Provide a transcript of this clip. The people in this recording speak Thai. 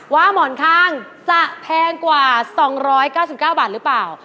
ว่าหมอนข้างจะแพงกว่า๒๙๙บาทหรือเปล่า